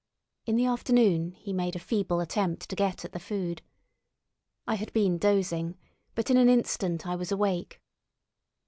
In the afternoon he made a feeble effort to get at the food. I had been dozing, but in an instant I was awake.